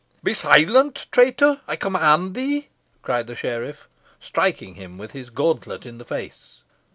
"Be silent, traitor, I command thee," cried the sheriff, striking him with his gauntlet in the face.